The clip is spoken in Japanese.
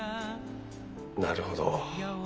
なるほど。